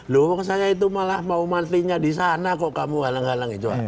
loh saya itu malah mau matinya di sana kok kamu halang halang itu